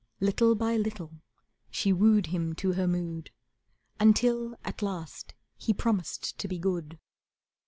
Little by little she wooed him to her mood Until at last he promised to be good.